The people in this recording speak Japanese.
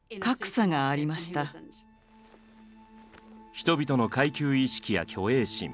人々の階級意識や虚栄心。